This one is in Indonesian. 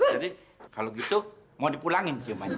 jadi kalau gitu mau dipulangin ciumannya